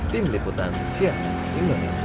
tim liputan sia indonesia